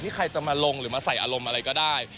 ใครจะมาลงหรือมาใส่อารมณ์อะไรก็ได้